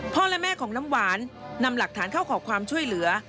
และแม่ของน้ำหวานนำหลักฐานเข้าขอความช่วยเหลือ